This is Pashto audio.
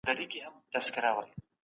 څنګه خبریالان خپل حقونه غواړي؟